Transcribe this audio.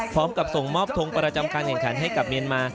พร้อมกับส่งมอบทงประจำการแข่งขันให้กับเมียนมา